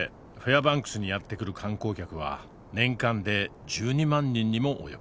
バンクスにやって来る観光客は年間で１２万人にも及ぶ。